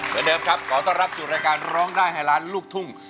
เหมือนเดิมครับขอต้อนรับสู่รายการร้องได้ให้ล้านลูกทุ่ง